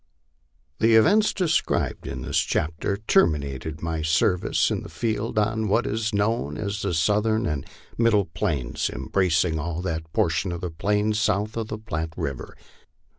The events described in this chapter terminated my service in the field on what is known as the southern and middle plains, embracing all that portion of the plains south of the Platte river.